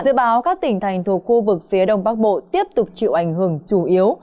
dự báo các tỉnh thành thuộc khu vực phía đông bắc bộ tiếp tục chịu ảnh hưởng chủ yếu